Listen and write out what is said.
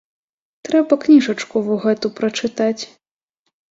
Трэба кніжку во гэту прачытаць.